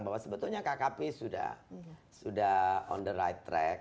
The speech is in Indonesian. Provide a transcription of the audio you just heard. bahwa sebetulnya kkp sudah on the right track